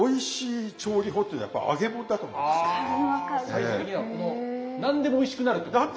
最終的には何でもおいしくなるってことですね。